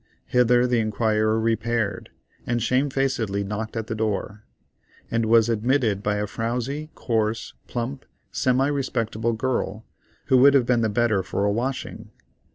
Hither the inquirer repaired, and shamefacedly knocked at the door, and was admitted by a frowzy, coarse, plump, semi respectable girl, who would have been the better for a washing.